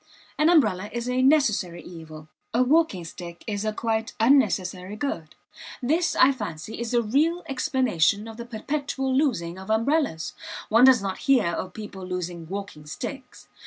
An umbrella is a necessary evil. A walking stick is a quite unnecessary good. This, I fancy, is the real explanation of the perpetual losing of umbrellas; one does not hear of people losing walking sticks.